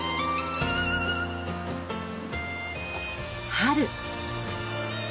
春。